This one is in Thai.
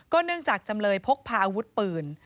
เนื่องจากจำเลยพกพาอาวุธปืน